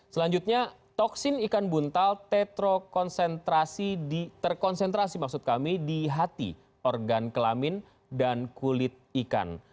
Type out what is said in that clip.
selanjutnya toksin ikan buntal terkonsentrasi di hati organ kelamin dan kulit ikan